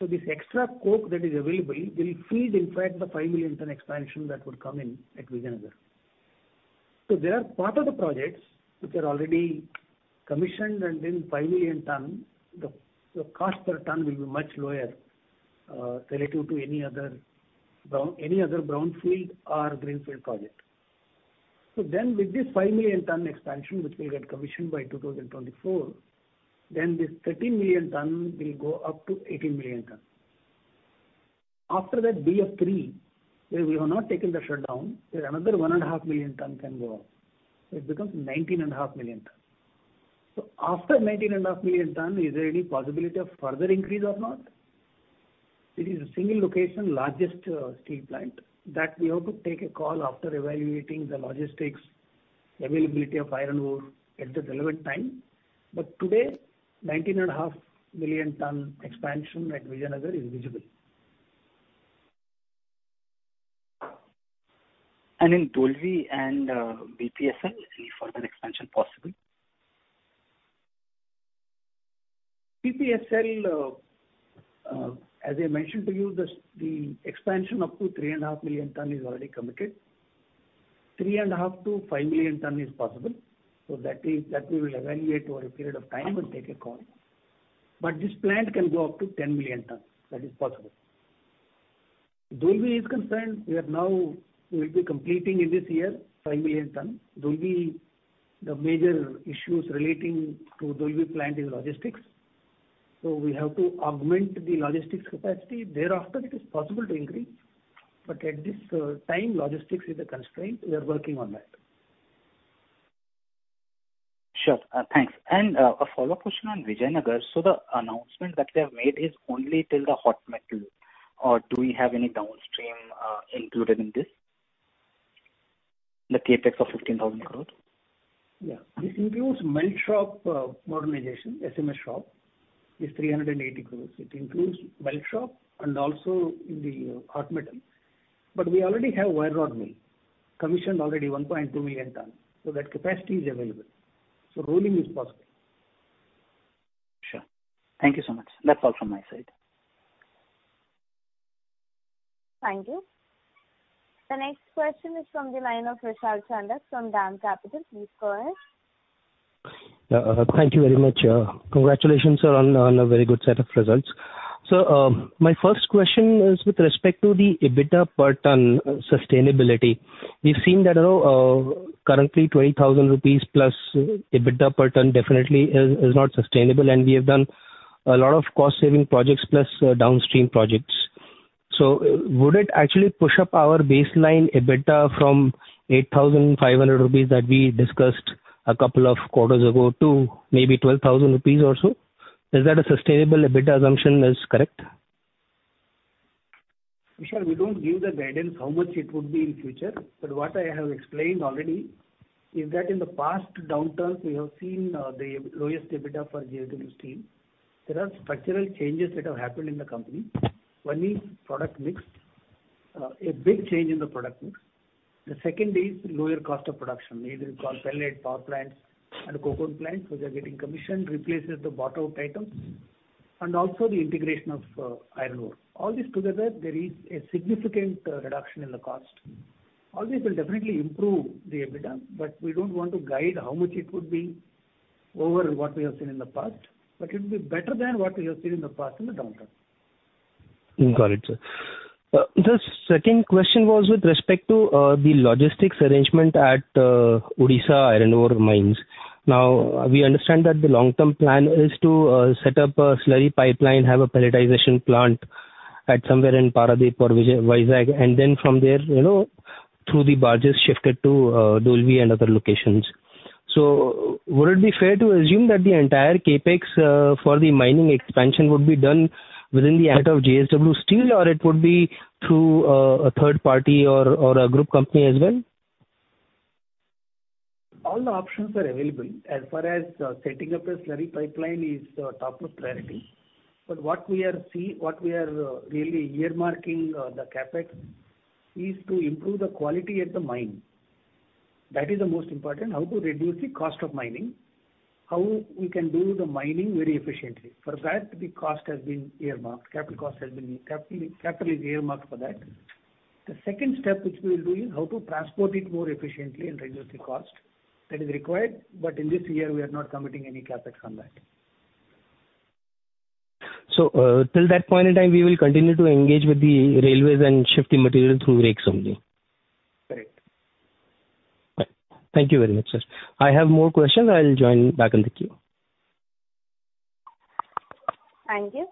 This extra coke that is available will feed, in fact, the 5-million-ton expansion that would come in at Vijayanagar. There are part of the projects which are already commissioned, and then 5 million ton, the cost per ton will be much lower relative to any other Brownfield or Greenfield project. With this 5-million-ton expansion which will get commissioned by 2024, this 13 million ton will go up to 18 million ton. After that BF-3, where we have not taken the shutdown, where another 1.5 million ton can go up. It becomes 19.5 million ton. After 19.5 million ton, is there any possibility of further increase or not? It is a single location, largest steel plant that we have to take a call after evaluating the logistics, the availability of iron ore at the relevant time. Today, 19.5-million-ton expansion at Vijayanagar is visible. In Dolvi and BPSL, any further expansion possible? BPSL, as I mentioned to you, the expansion up to 3.5 million ton is already committed. 3.5 million ton to 5 million ton is possible. We will evaluate over a period of time and take a call. This plant can go up to 10 million ton. That is possible. As far as Dolvi is concerned, we will be completing in this year 5 million ton. Dolvi, the major issues relating to Dolvi plant is logistics. We have to augment the logistics capacity. Thereafter, it is possible to increase. At this time, logistics is a constraint. We are working on that. Sure. Thanks. A follow-up question on Vijayanagar. The announcement that they have made is only till the hot metal, or do we have any downstream included in this, the CapEx of 15,000 crore? Yeah. It includes melt shop modernization, SMS shop. It is 380 crore. It includes melt shop and also in the hot metal. We already have wire rod mill, commissioned already 1.2 million ton. That capacity is available. So rolling is possible. Sure. Thank you so much. That is all from my side. Thank you. The next question is from the line of Vishal Chandak from DAM Capital. Please go ahead. Thank you very much. Congratulations, sir, on a very good set of results. My first question is with respect to the EBITDA per ton sustainability. We've seen that currently 20,000 rupees plus EBITDA per ton definitely is not sustainable, and we have done a lot of cost-saving projects plus downstream projects. Would it actually push up our baseline EBITDA from 8,500 rupees that we discussed a couple of quarters ago to maybe 12,000 rupees or so? Is that a sustainable EBITDA assumption? Is that correct? Vishal, we don't give the guidance how much it would be in future. What I have explained already is that in the past downturns, we have seen the lowest EBITDA for JSW Steel. There are structural changes that have happened in the company. One is product mix, a big change in the product mix. The second is lower cost of production, either called pellet, power plants, and coke oven plants which are getting commissioned, replaces the bought-out items, and also the integration of iron ore. All this together, there is a significant reduction in the cost. All this will definitely improve the EBITDA, but we do not want to guide how much it would be over what we have seen in the past. It will be better than what we have seen in the past in the downturn. Got it, sir. The second question was with respect to the logistics arrangement at Odisha iron ore mines. Now, we understand that the long-term plan is to set up a slurry pipeline, have a palletization plant at somewhere in Paradip or Vizag, and then from there, through the barges shifted to Dolvi and other locations. Would it be fair to assume that the entire CapEx for the mining expansion would be done within the act of JSW Steel, or it would be through a third party or a group company as well? All the options are available. As far as setting up a slurry pipeline is top of priority. What we are really earmarking, the CapEx, is to improve the quality at the mine. That is the most important. How to reduce the cost of mining, how we can do the mining very efficiently. For that, the cost has been earmarked. Capital cost has been earmarked for that. The second step which we will do is how to transport it more efficiently and reduce the cost that is required. In this year, we are not committing any CapEx on that. Till that point in time, we will continue to engage with the railways and shifting material through rigs only? Correct. Okay. Thank you very much, sir. I have more questions. I'll join back in the queue. Thank you.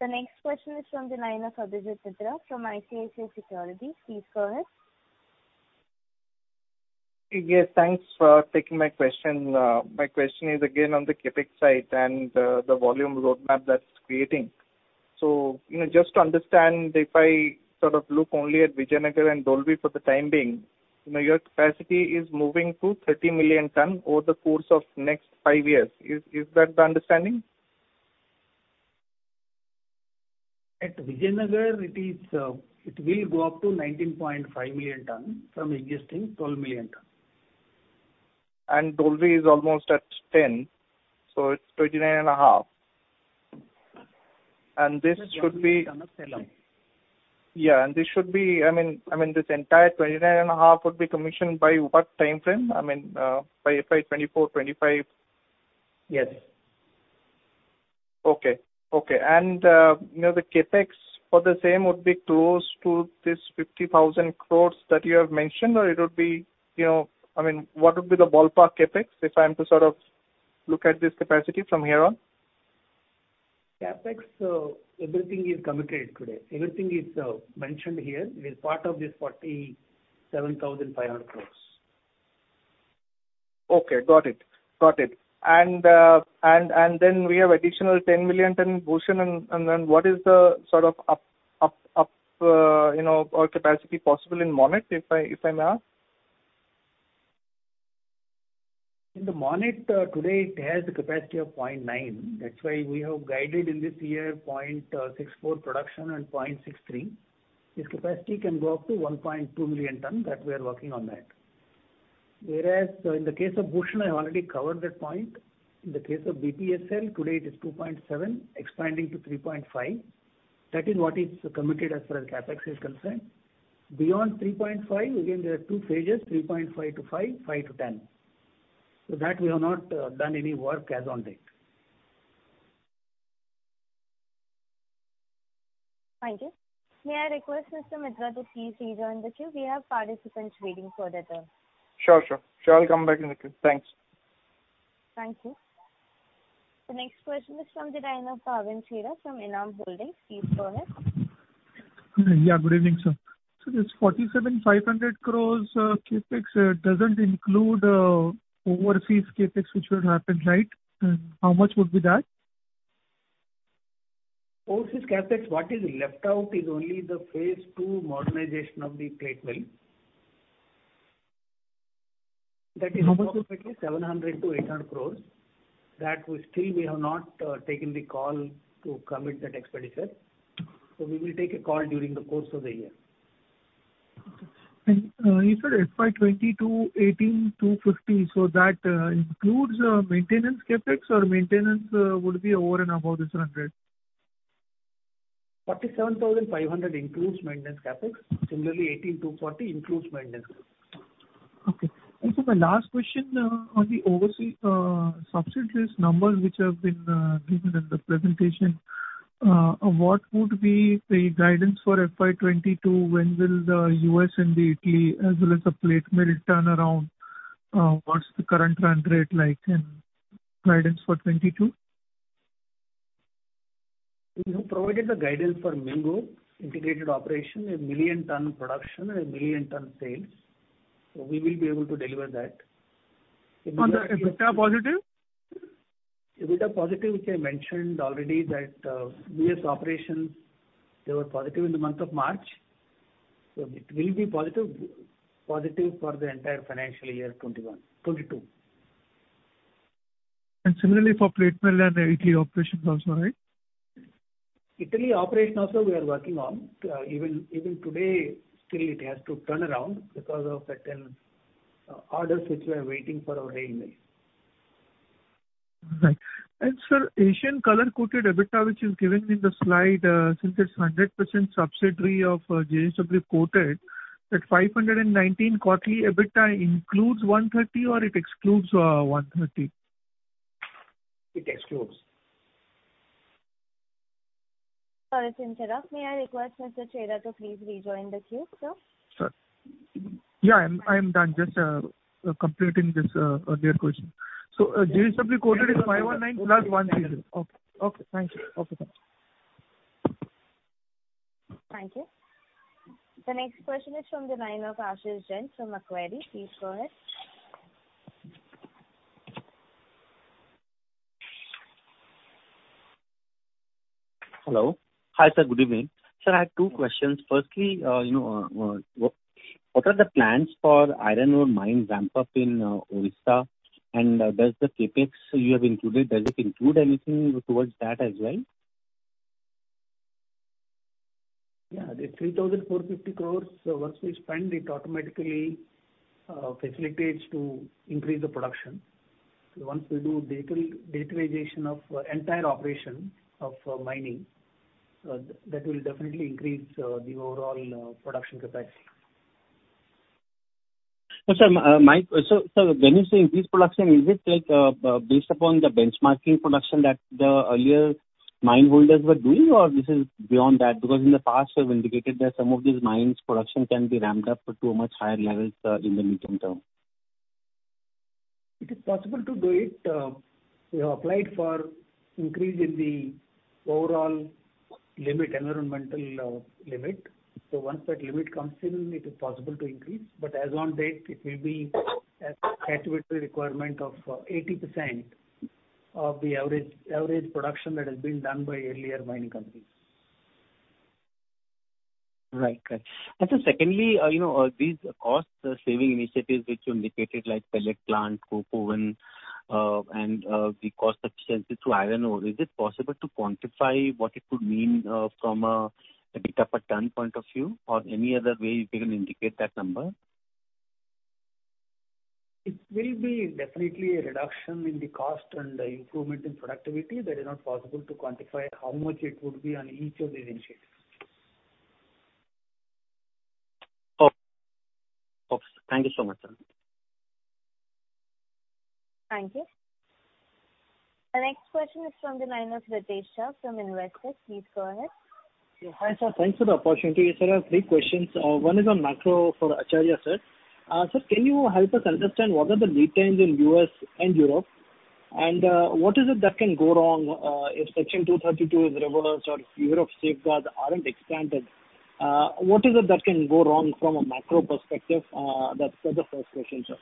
The next question is from the line of Abhijit Mitra from ICICI Securities. Please go ahead. Yes. Thanks for taking my question. My question is again on the CapEx side and the volume roadmap that's creating. Just to understand, if I sort of look only at Vijayanagar and Dolvi for the time being, your capacity is moving to 30 million ton over the course of the next five years. Is that the understanding? At Vijayanagar, it will go up to 19.5 million ton from existing 12 million ton. And Dolvi is almost at 10, so it's 29.5. This should be— Yeah. This should be— I mean, this entire 29.5 would be commissioned by what time frame? I mean, by FY 2024, 2025? Yes. Okay. Okay. The CapEx for the same would be close to this 50,000 crore that you have mentioned, or it would be—I mean, what would be the ballpark CapEx if I am to sort of look at this capacity from here on? CapEx, everything is committed today. Everything is mentioned here with part of this 47,500 crore. Okay. Got it. Got it. We have additional 10 million ton Bhushan, and then what is the sort of up or capacity possible in Monnet, if I may ask? In the Monnet, today, it has a capacity of 0.9. That is why we have guided in this year 0.64 production and 0.63. This capacity can go up to 1.2 million ton. We are working on that. Whereas in the case of Bhushan, I already covered that point. In the case of BPSL, today it is 2.7, expanding to 3.5. That is what is committed as far as CapEx is concerned. Beyond 3.5, again, there are two phases: 3.5-5, 5-10. We have not done any work as on date. Thank you. May I request Mr. Mitra to please rejoin the queue? We have participants waiting for the turn. Sure, sure. I'll come back in the queue. Thanks. Thank you. The next question is from the line of Bhavin Chheda from Enam Holdings. Please go ahead. Yeah. Good evening, sir. This 47,500 crore CapEx does not include overseas CapEx, which would happen, right? How much would be that? Overseas CapEx, what is left out is only the phase II modernization of the plate mill. That is approximately 700-800 crore. We still have not taken the call to commit that expenditure. We will take a call during the course of the year. You said FY 2022, 18,240. So that includes maintenance CapEx, or maintenance would be over and above thie run rate? 47,500 includes maintenance CapEx. Similarly, 18,240 includes maintenance. Okay. My last question on the overseas subsidiaries numbers which have been given in the presentation, what would be the guidance for FY 2022? When will the U.S. and Italy, as well as the plate mill, turnaround? What's the current run rate like and guidance for 2022? We have provided the guidance for Mingo integrated operation in a million-ton production and a million-ton sales. We will be able to deliver that. On the EBITDA positive? EBITDA positive, which I mentioned already that U.S. operations, they were positive in the month of March. It will be positive for the entire financial year 2022. Similarly, for plate mill at Italy operations also, right? Italy operation also, we are working on. Even today, still it has to turn around because of the orders which we are waiting for our railways. Right. And sir, Asian Colour Coated EBITDA, which is given in the slide, since it is 100% subsidiary of JSW Coated, that 519 quarterly EBITDA includes 130 or it excludes 130? It excludes. Bhavin Chheda, may I request Mr. Chheda to please rejoin the queue, sir? Sure. Yeah. I am done. Just completing this earlier question. JSW Coated is 519 plus 130. Okay. Okay. Thank you. Okay. Thank you. Thank you. The next question is from the line of Ashish Jain from Macquarie. Please go ahead. Hello. Hi, sir. Good evening. Sir, I have two questions. Firstly, what are the plans for iron ore mines ramp up in Odisha? Does the CapEx you have included, does it include anything towards that as well? Yeah. The 3,450 crore once we spend, it automatically facilitates to increase the production. Once we do digitalization of entire operation of mining, that will definitely increase the overall production capacity. Sir, when you say increase production, is it based upon the benchmarking production that the earlier mineholders were doing, or this is beyond that? Because in the past, we have indicated that some of these mines' production can be ramped up to much higher levels in the medium term. It is possible to do it. We have applied for increase in the overall limit, environmental limit. Once that limit comes in, it is possible to increase. As on date, it will be a saturated requirement of 80% of the average production that has been done by earlier mining companies. Right. Correct. Then secondly, these cost-saving initiatives which you indicated, like pellet plant, coke oven, and the cost efficiency tho iron ore, is it possible to quantify what it would mean from an EBITDA per ton point of view, or any other way you can indicate that number? It will be definitely a reduction in the cost and improvement in productivity. That is not possible to quantify how much it would be on each of these initiatives. Okay. Thank you so much, sir. Thank you. The next question is from the line of Ritesh Shah from Investec. Please go ahead. Hi, sir. Thanks for the opportunity. Sir, I have three questions. One is on macro for Acharya sir. Sir, can you help us understand what are the lead times in the U.S. and Europe? What is it that can go wrong if Section 232 is reversed or if Europe's safeguards are not expanded? What is it that can go wrong from a macro perspective? That is the first question, sir.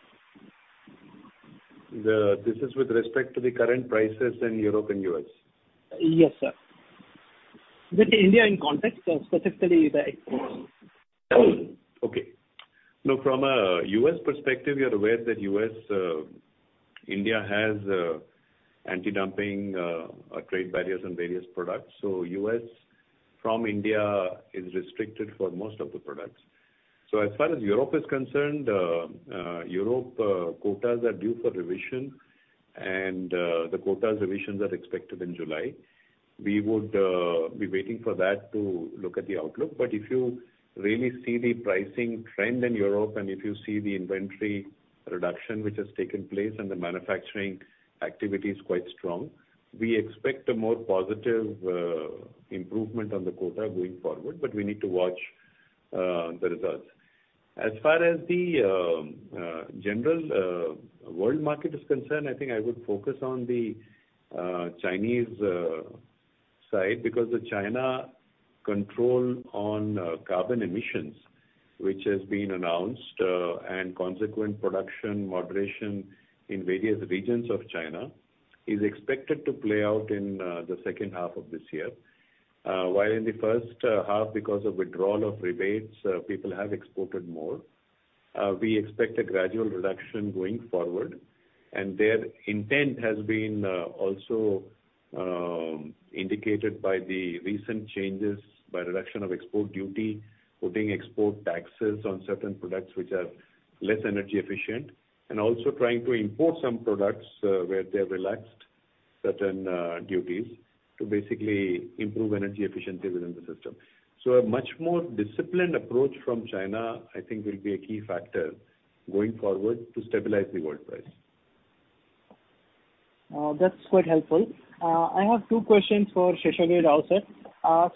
This is with respect to the current prices in Europe and the U.S.? Yes, sir. With India in context, specifically the exports? Okay. No, from a U.S. perspective, you are aware that India has anti-dumping trade barriers on various products. So U.S. from India is restricted for most of the products. As far as Europe is concerned, Europe quotas are due for revision, and the quota revisions are expected in July. We would be waiting for that to look at the outlook. If you really see the pricing trend in Europe, and if you see the inventory reduction which has taken place, and the manufacturing activity is quite strong, we expect a more positive improvement on the quota going forward, but we need to watch the results. As far as the general world market is concerned, I think I would focus on the Chinese side because the China control on carbon emissions, which has been announced, and consequent production moderation in various regions of China is expected to play out in the second half of this year. While in the first half, because of withdrawal of rebates, people have exported more, we expect a gradual reduction going forward. Their intent has been also indicated by the recent changes by reduction of export duty, putting export taxes on certain products which are less energy efficient, and also trying to import some products where they have relaxed certain duties to basically improve energy efficiency within the system. A much more disciplined approach from China, I think, will be a key factor going forward to stabilize the world price. That's quite helpful. I have two questions for Seshagiri Rao sir.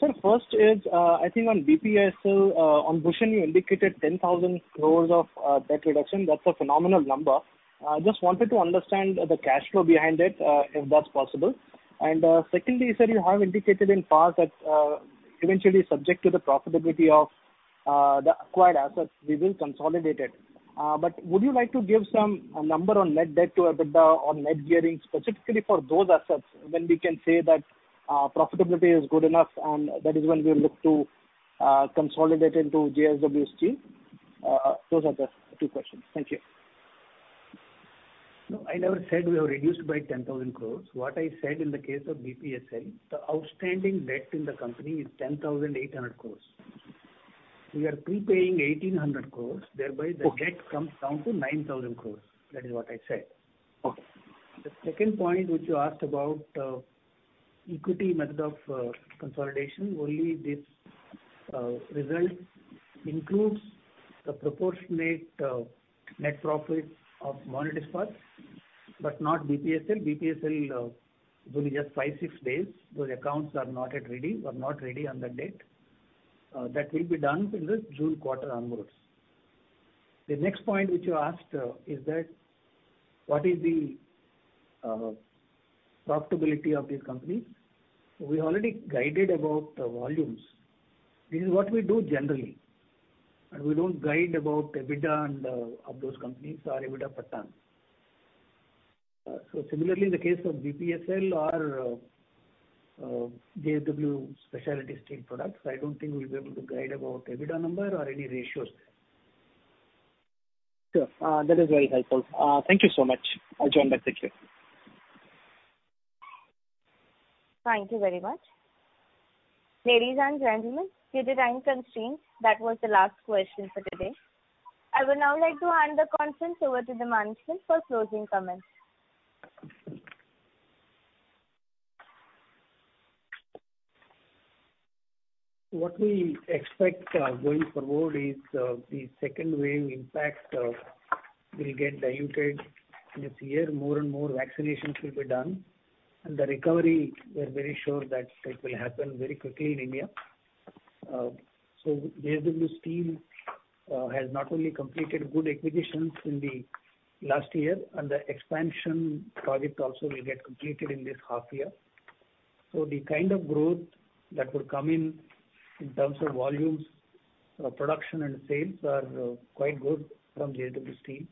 Sir, first is, I think on BPSL, on Bhushan, you indicated 10,000 crore of debt reduction. That's a phenomenal number. I just wanted to understand the cash flow behind it, if that's possible. Secondly, sir, you have indicated in part that eventually, subject to the profitability of the acquired assets, we will consolidate it. Would you like to give some number on net debt-to-EBITDA or net gearing, specifically for those assets, when we can say that profitability is good enough, and that is when we look to consolidate into JSW Steel? Those are the two questions. Thank you. No, I never said we have reduced by 10,000 crore. What I said in the case of BPSL, the outstanding debt in the company is 10,800 crore. We are prepaying 1,800 crore. Thereby, the debt comes down to 9,000 crore. That is what I said. The second point, which you asked about equity method of consolidation, only this result includes the proportionate net profit of Monnet Ispat and Energy Limited, but not BPSL. BPSL will be just five, six days. Those accounts are not ready on that date. That will be done in the June quarter onwards. The next point which you asked is that what is the profitability of these companies? We already guided about the volumes. This is what we do generally. We do not guide about EBITDA of those companies or EBITDA per ton. Similarly, in the case of BPSL or JSW Specialty Steel products, I do not think we will be able to guide about EBITDA number or any ratios there. Sure. That is very helpful. Thank you so much. I will join back the queue. Thank you very much. Ladies and gentlemen, due to time constraints, that was the last question for today. I would now like to hand the conference over to the management for closing comments. What we expect going forward is the second wave impact will get diluted this year. More and more vaccinations will be done. The recovery, we are very sure that it will happen very quickly in India. JSW Steel has not only completed good acquisitions in the last year, and the expansion project also will get completed in this half year. The kind of growth that would come in in terms of volumes, production, and sales are quite good from JSW Steel.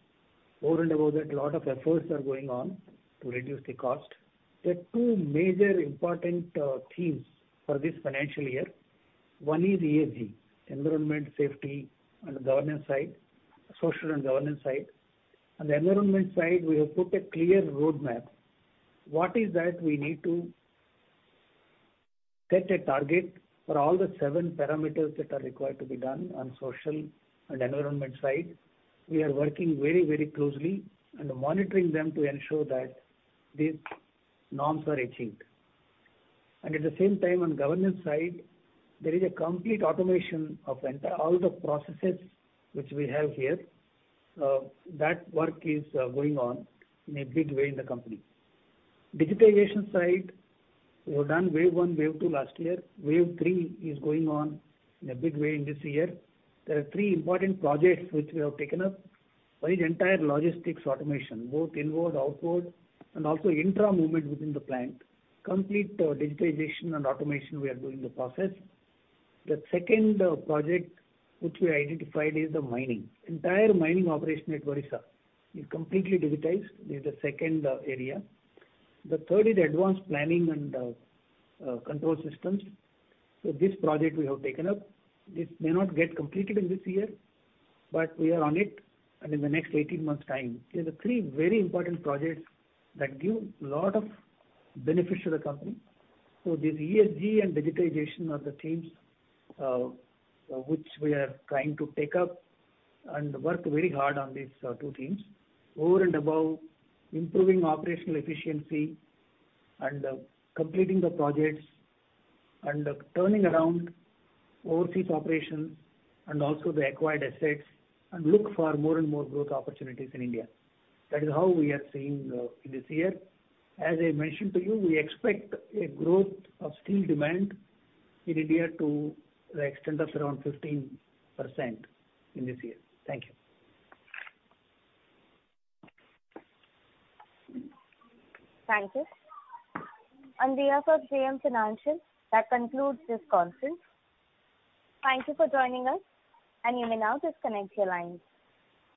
More and more that a lot of efforts are going on to reduce the cost. There are two major important themes for this financial year. One is ESG, Environment, Safety, and Governance side, Social, and Governance side. On the environment side, we have put a clear roadmap. What is that we need to set a target for all the seven parameters that are required to be done on social and environment side? We are working very, very closely and monitoring them to ensure that these norms are achieved. At the same time, on the governance side, there is a complete automation of all the processes which we have here. That work is going on in a big way in the company. Digitization side was done wave one, wave two last year. Wave three is going on in a big way in this year. There are three important projects which we have taken up. One is entire logistics automation, both inward, outward, and also intra movement within the plant. Complete digitization and automation we are doing in the process. The second project which we identified is the mining. Entire mining operation at Odisha is completely digitized. This is the second area. The third is advanced planning and control systems. This project we have taken up. This may not get completed in this year, but we are on it. In the next 18 months' time, there are three very important projects that give a lot of benefit to the company. This ESG and digitization are the themes which we are trying to take up and work very hard on these two themes. Over and above improving operational efficiency and completing the projects and turning around overseas operations and also the acquired assets and look for more and more growth opportunities in India. That is how we are seeing in this year. As I mentioned to you, we expect a growth of steel demand in India to the extent of around 15% in this year. Thank you. Thank you. On behalf of JM Financial that concludes this conference. Thank you for joining us, and you may now disconnect your lines.